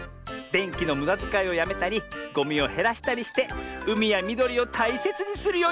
でんきのむだづかいをやめたりゴミをへらしたりしてうみやみどりをたいせつにするようにするのミズ。